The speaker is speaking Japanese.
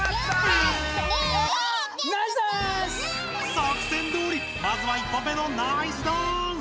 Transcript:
作戦どおりまずは１本目のナイスダンス！